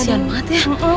sian banget ya